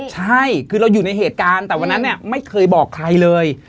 ใช่คือเราอยู่ในเหตุการณ์แต่วันนั้นไม่เคยบอกใครเลย